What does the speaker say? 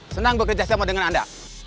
senang bekerja sama dengan anda